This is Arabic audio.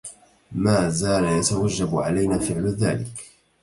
ما زال يتوجب علينا فعل ذلك.